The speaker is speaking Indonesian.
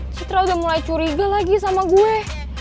sutra udah mulai curiga lagi sama gue